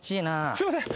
すいません。